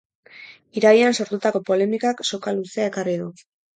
Irailean sortutako polemikak soka luzea ekarri du.